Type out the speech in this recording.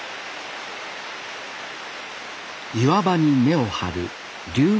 岩場に根を張るリュウ